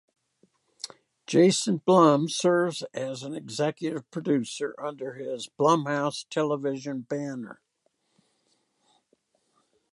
Jason Blum serves as an executive producer under his Blumhouse Television banner.